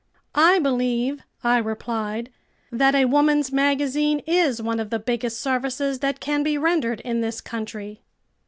"I believe," I replied, "that a woman's magazine is one of the biggest services that can be rendered in this country."